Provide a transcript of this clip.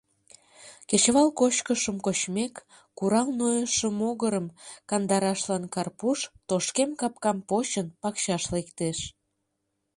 Кечывал кочкышым кочмек, курал нойышо могырым кандарашлан Карпуш, тошкем капкам почын, пакчаш лектеш.